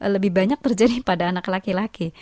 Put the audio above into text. lebih banyak terjadi pada anak laki laki